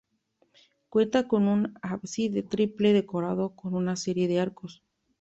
Cuenta con un ábside triple decorado con una serie de arcos.